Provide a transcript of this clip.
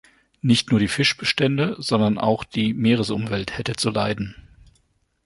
Nicht nur die Fischbestände, sondern auch die Meeresumwelt hätte zu leiden.